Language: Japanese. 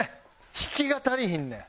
引きが足りひんねん。